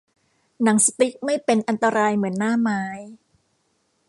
หนังสติ๊กไม่เป็นอันตรายเหมือนหน้าไม้